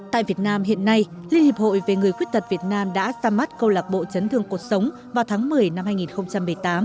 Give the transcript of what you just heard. tại việt nam hiện nay liên hiệp hội về người khuyết tật việt nam đã ra mắt câu lạc bộ chấn thương cuộc sống vào tháng một mươi năm hai nghìn một mươi tám